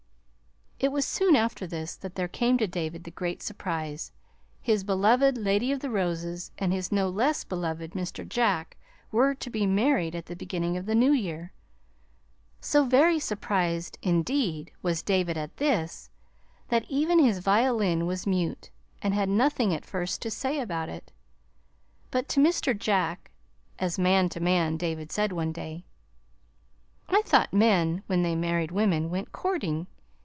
It was soon after this that there came to David the great surprise his beloved Lady of the Roses and his no less beloved Mr. Jack were to be married at the beginning of the New Year. So very surprised, indeed, was David at this, that even his violin was mute, and had nothing, at first, to say about it. But to Mr. Jack, as man to man, David said one day: "I thought men, when they married women, went courting.